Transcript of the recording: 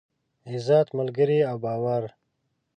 عزت، ملگري او باور.